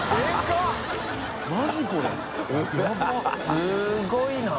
すごいな。